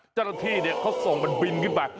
เจ้าหน้าที่เนี่ยเขาส่งมันบินขึ้นมา